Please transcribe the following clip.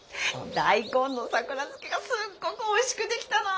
大根のさくら漬けがすっごくおいしくできたの。